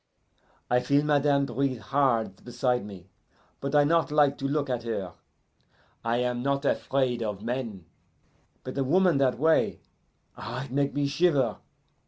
I feel madame breathe hard beside me, but I not like to look at her. I am not afraid of men, but a woman that way ah, it make me shiver!